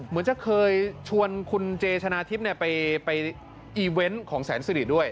เหมือนจะเคยชวนคุณเจชนะทิพย์ไปอีเวนต์ของแสนสิริด้วย